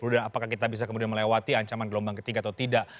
dan apakah kita bisa kemudian melewati ancaman gelombang ketiga atau tidak